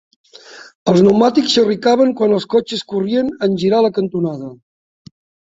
Els neumàtics xerricaven quan els cotxes corrien en girar la cantonada.